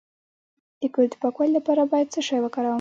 د کور د پاکوالي لپاره باید څه شی وکاروم؟